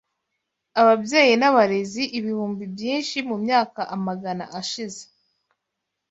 ababyeyi n’abarezi ibihumbi byinshi mu myaka amagana ashize.